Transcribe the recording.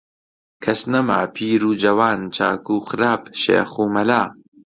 کەس نەما، پیر و جەوان، چاک و خراپ، شێخ و مەلا